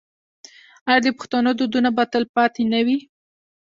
آیا د پښتنو دودونه به تل پاتې نه وي؟